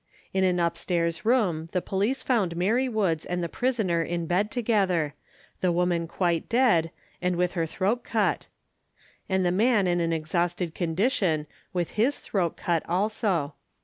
In an upstairs room the police found Mary Woods and the prisoner in bed together the woman quite dead, and with her throat cut, and the man in an exhausted condition, with his throat cut also.